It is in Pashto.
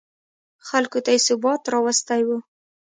خلکو ته یې ثبات راوستی و.